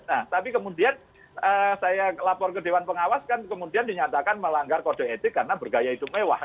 nah tapi kemudian saya lapor ke dewan pengawas kan kemudian dinyatakan melanggar kode etik karena bergaya itu mewah